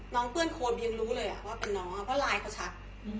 น้องเปื้อนโคนเพียงรู้เลยว่าเป็นน้องเพราะไลน์เค้าชัด